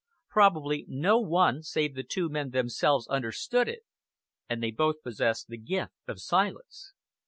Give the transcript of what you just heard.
Probably no one save the two men themselves understood it, and they both possessed the gift of silence.